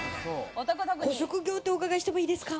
ご職業ってお伺いしてもいいですか？